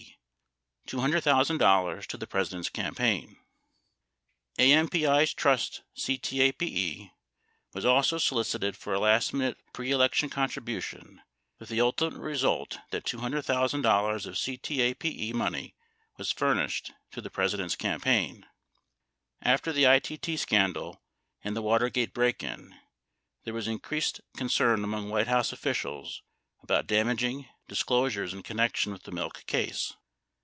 $200,000 to the President's Campaign AMPI's trust CTAPE, was also solicited for a last minute pre election contribution, with the ultimate result that $200,000 of CTAPE money was furnished to the President's campaign. After the ITT scandal and the Watergate break in, there was in creased concern among White House officials about damaging dis closures in connection with the milk case.